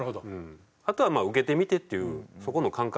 あとはまあ受けてみてっていうそこの感覚だと思います。